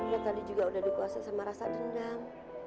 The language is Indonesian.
lo tadi juga udah dikuasa sama rasa dendam